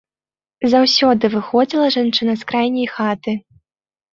Заўсёды выходзіла жанчына з крайняй хаты.